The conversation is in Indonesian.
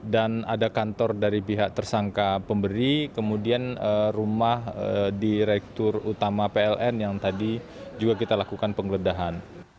dan ada kantor dari pihak tersangka pemberi kemudian rumah direktur utama pln yang tadi juga kita lakukan penggeledahan